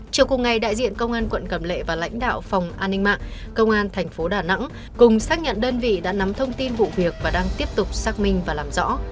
chiều cùng ngày đại diện công an quận cầm lệ và lãnh đạo phòng an ninh mạng công an thành phố đà nẵng cùng xác nhận đơn vị đã nắm thông tin vụ việc và đang tiếp tục xác minh và làm rõ